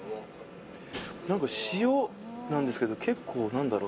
何か塩なんですけど結構何だろう